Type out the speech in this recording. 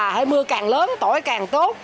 hay mưa càng lớn tỏi càng tốt